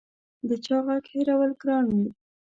د چا غږ هېرول ګران وي